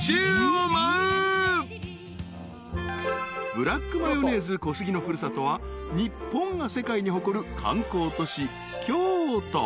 ［ブラックマヨネーズ小杉の古里は日本が世界に誇る観光都市京都］